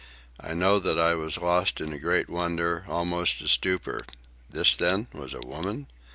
I know that I was lost in a great wonder, almost a stupor,—this, then, was a woman?